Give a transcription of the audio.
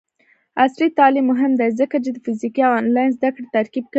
عصري تعلیم مهم دی ځکه چې د فزیکي او آنلاین زدکړې ترکیب کوي.